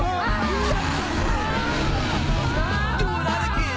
うわ！